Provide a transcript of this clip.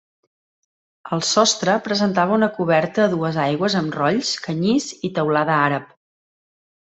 El sostre presentava una coberta a dues aigües amb rolls, canyís i teulada àrab.